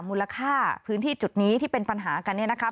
มูลค่าพื้นที่จุดนี้ที่เป็นปัญหากันเนี่ยนะคะ